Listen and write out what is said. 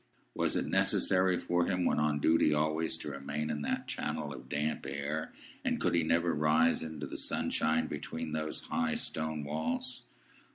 Was it necessary for him when on duty always to remain in that channel of damp air, and could he never rise into the sunshine from between those high stone walls?